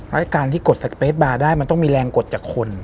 แล้วการที่กดสเปสบาร์ได้มันต้องมีแรงกดจากคน